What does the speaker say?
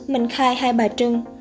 minh khai hai bà trưng